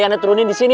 bener ayo sekalian